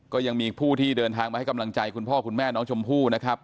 ก็ยังมีผู้ที่เดินทางมาให้กำลังใจคุณพ่อคุณแม่น้องชมพู่นะครับ